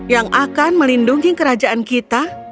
yang akan melindungi kerajaan kita